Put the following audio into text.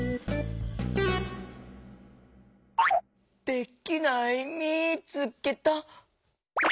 できないみつけた。